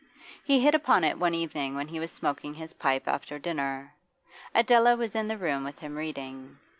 He hit upon it one evening when he was smoking his pipe after dinner. Adela was in the room with him reading.